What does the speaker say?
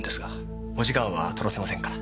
お時間は取らせませんから。